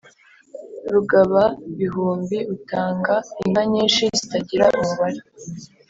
rugababihumbi: utanga inka nyinshi zitagira umubare